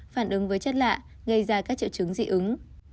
phản ứng với chất lạ gây ra các triệu chứng dị ứng